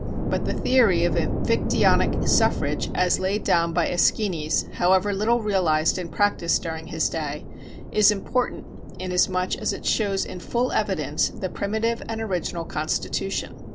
But the theory of Amphictyonic suffrage as laid down by Æschines, however little realized in practice during his day, is important inasmuch as it shows in full evidence the primitive and original constitution.